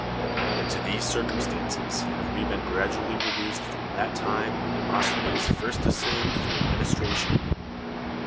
And to these circumstances have we been gradually reduced from that time when Demos thenes first assumed the administration.